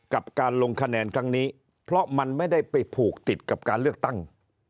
กับการลงคะแนนครั้งนี้เพราะมันไม่ได้ไปผูกติดกับการเลือกตั้ง